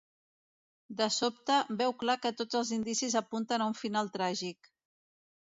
De sobte, veu clar que tots els indicis apunten a un final tràgic.